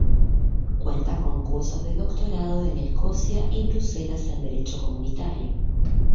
Cuenta con cursos de Doctorado en Escocia y Bruselas en Derecho Comunitario.